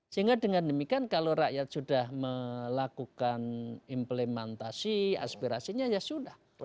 sehingga dengan demikian kalau rakyat sudah melakukan implementasi aspirasinya ya sudah